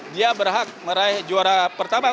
dia berhak meraih juara pertama